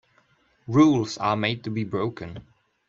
Rules are made to be broken.